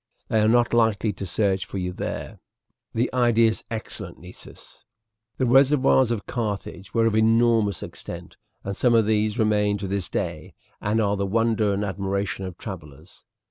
They are not likely to search for you there." "The idea is excellent, Nessus." The reservoirs of Carthage were of enormous extent, and some of these remain to this day and are the wonder and admiration of travellers.